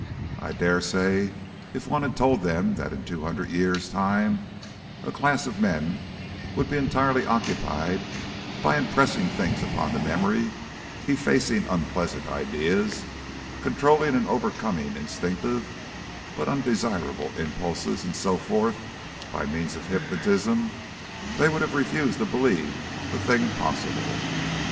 I daresay if any one had told them that in two hundred years' time a class of men would be entirely occupied in impressing things upon the memory, effacing unpleasant ideas, controlling and overcoming instinctive but undesirable impulses, and so forth, by means of hypnotism, they would have refused to believe the thing possible.